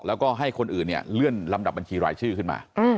แล้วก็ให้คนอื่นเนี่ยเลื่อนลำดับบัญชีรายชื่อขึ้นมา